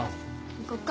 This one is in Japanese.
行こっか。